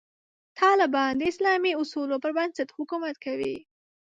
طالبان د اسلامي اصولو پر بنسټ حکومت کوي.